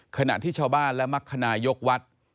ขณะที่ชาวบ้านและมรรคนายกวัด